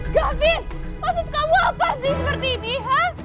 gafir maksud kamu apa sih seperti ini ha